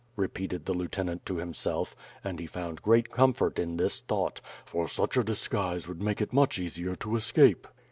repeated the lieutenant to himself, and he found great com fort in this thought; "for such a disguise would make it much easier to escape."